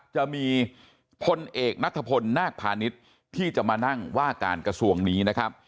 จะมีพลเอกนัทพลนาภานิษฐ์ที่จะมานั่งว่าการกระทรวงนี้